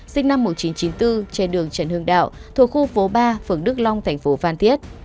sinh năm một nghìn chín trăm chín mươi bốn trên đường trần hương đạo thuộc khu phố ba phường đức long thành phố phan thiết